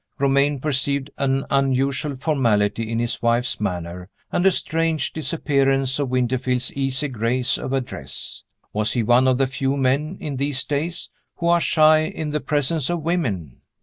Romayne perceived an unusual formality in his wife's manner, and a strange disappearance of Winterfield's easy grace of address. Was he one of the few men, in these days, who are shy in the presence of women?